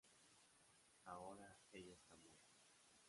Ahora ella está muerta.